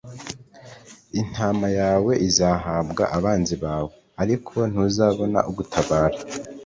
Intama yawe izahabwa abanzi bawe, ariko ntuzabona ugutabara.